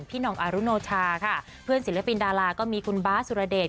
หน่องอารุโนชาค่ะเพื่อนศิลปินดาราก็มีคุณบาสสุรเดช